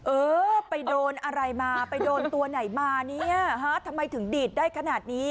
เออไปโดนอะไรมาไปโดนตัวไหนมาเนี่ยฮะทำไมถึงดีดได้ขนาดนี้